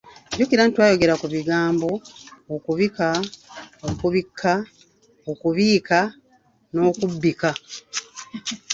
Jjukira nti twayogera ku bigambo, okubika, okubikka, okubiika n'okubbika.